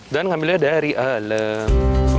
dan ambilnya dari alem